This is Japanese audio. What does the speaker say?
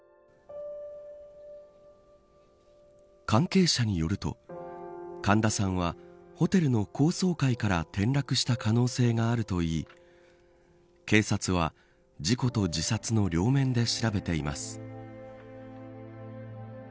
関係者によると神田さんはホテルの高層階から転落した可能性があるといい警察は事故と自殺の両面で調べています。